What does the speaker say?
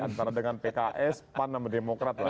antara dengan pks pan dan demokrat lah